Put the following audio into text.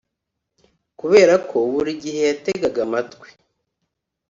Kubera ko buri gihe yategaga amatwi